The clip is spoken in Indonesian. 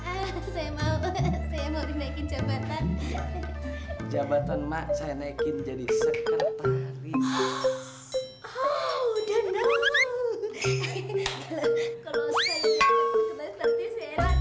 saya mau saya mau naikin jabatan jabatan maksa naikin jadi sekretaris